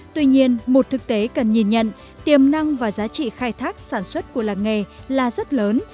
tuy nhiên một thực tế cần nhìn nhận tiềm năng và giá trị khai thác sản xuất của làng nghề là rất lớn